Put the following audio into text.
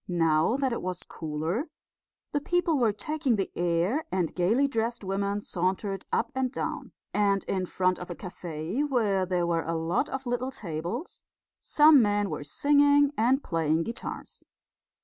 Now that it was cooler the people were taking the air, and gaily dressed women sauntered up and down; and in front of a cafe, where there were a lot of little tables, some men were singing and playing guitars.